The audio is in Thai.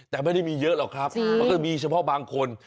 แต่ไม่ได้มีเยอะหรอกครับมันก็มีเฉพาะบางคน